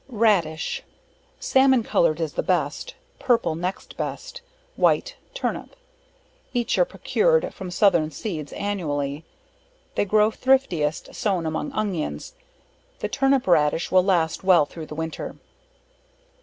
Raddish, Salmon coloured is the best, purple next best white turnip each are produced from southern seeds, annually. They grow thriftiest sown among onions. The turnip Raddish will last well through the winter.